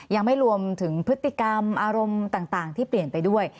ยังไม่รวมถึงพฤติกรรมอารมณ์ต่างที่เปลี่ยนไปด้วย